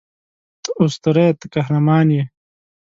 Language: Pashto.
ته اسطوره یې ته قهرمان یې